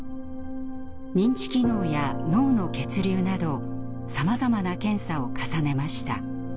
認知機能や脳の血流などさまざまな検査を重ねました。